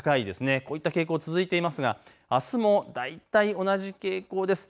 こういった傾向が続いていますがあすも大体同じ傾向です。